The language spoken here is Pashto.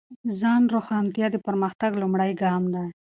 ځان روښانتیا د پرمختګ لومړی ګام دی.